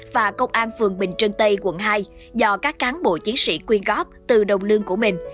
và công an phường bình trân tây quận hai do các cán bộ chiến sĩ quyên góp từ đồng lương của mình